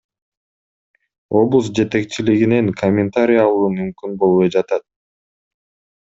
Облус жетекчилигинен комментарий алуу мүмкүн болбой жатат.